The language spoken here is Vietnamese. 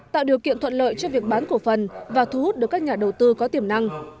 tạo điều kiện thuận lợi cho việc bán cổ phần và thu hút được các nhà đầu tư có tiềm năng